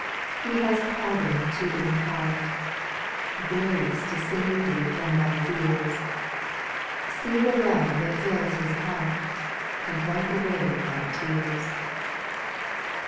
He has pardon to impart, Grace to save thee from thy fears ; See the love that fills His heart, And wipe away thy tears.